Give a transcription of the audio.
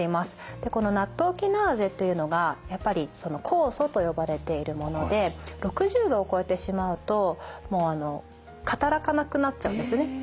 でこのナットウキナーゼっていうのがやっぱり酵素と呼ばれているもので６０度を超えてしまうともうあの働かなくなっちゃうんですね。